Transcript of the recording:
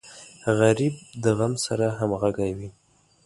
غریب د غم سره همغږی وي